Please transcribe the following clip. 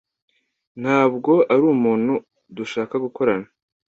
Ntabwo ari umuntu dushaka gukorana.